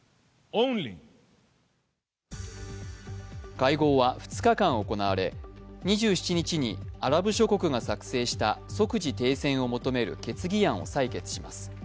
会合は２日間行われ、２７日にアラブ諸国が作成した即時停戦を求める決議案を採決します。